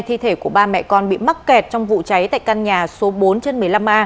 thi thể của ba mẹ con bị mắc kẹt trong vụ cháy tại căn nhà số bốn trên một mươi năm a